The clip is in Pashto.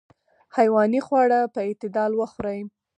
حیواني خواړه په اعتدال وخورئ.